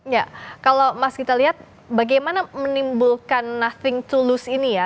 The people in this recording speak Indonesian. ya kalau mas kita lihat bagaimana menimbulkan nothing to lose ini ya